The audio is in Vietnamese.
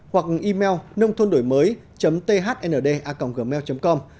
hoặc email nôngthondổimới thnda gmail com